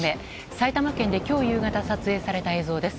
埼玉県で今日夕方撮影された映像です。